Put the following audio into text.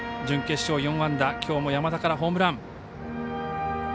準決勝４安打きょうも山田からホームラン。